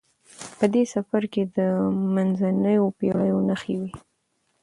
په دې سفر کې د منځنیو پیړیو نښې وې.